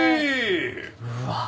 うわ！